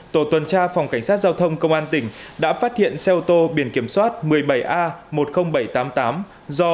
tổ tuần tra phòng cảnh sát giao thông công an tỉnh đã phát hiện xe ô tô biển kiểm soát một mươi bảy a một mươi nghìn bảy trăm tám mươi tám do